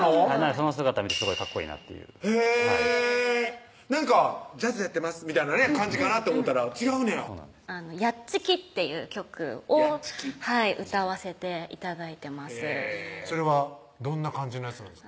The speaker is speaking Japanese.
その姿見てすごいかっこいいなっていうジャズやってますみたいなね感じかなって思ったら違うねやヤッチキっていう曲を歌わせて頂いてまへぇそれはどんな感じのやつなんですか？